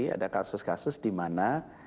ada kasus kasus di mana